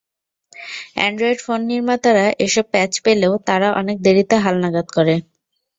Android phone নির্মাতারা এসব প্যাঁচ পেলেও তারা অনেক দেরিতে হালনাগাদ করে।